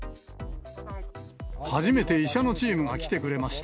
初めて医者のチームが来てくれました。